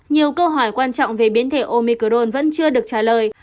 nhiều câu hỏi quan trọng về biến thể omicron vẫn chưa được trả lời